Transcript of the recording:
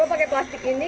kenapa pakai plastik ini